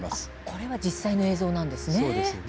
これは実際の映像なんですね。